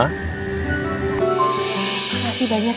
aku senang bisa bicara sama rena tadi